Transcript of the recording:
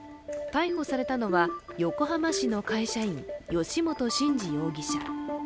逮捕されたのは横浜市の会社員、由元慎二容疑者。